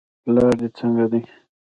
پلار دې څنګه دی.